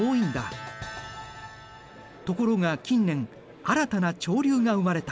ところが近年新たな潮流が生まれた。